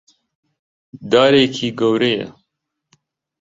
دارێکی گەورەیە.